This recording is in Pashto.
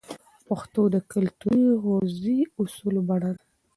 پښتو د کلتوري غورزی اصولو بڼه ده.